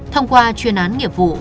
thông qua chuyên án nghiệp vụ